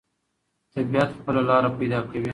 طبیعت خپله لاره پیدا کوي.